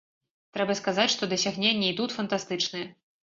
Трэба сказаць, што дасягненні і тут фантастычныя.